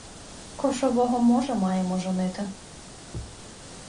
— Кошового можа маємо жонити.